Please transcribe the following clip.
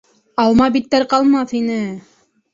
Алма биттәр ҡалмаҫ инее